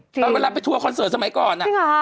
เวลาไปทัวร์คอนเสิร์ตสมัยก่อน